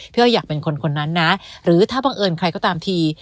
อ้อยอยากเป็นคนคนนั้นนะหรือถ้าบังเอิญใครก็ตามที